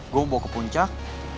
gue bawa ke puncak